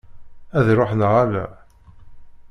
Ad iruḥ neɣ ala?